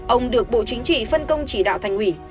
ông được bộ chính trị phân công chỉ đạo thành ủy